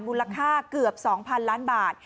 มูลค่าเกือบ๒๐๐๐ล้านบาท